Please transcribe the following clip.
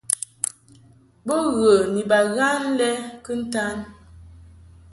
Bo ghə ni baghan lɛ kɨntan.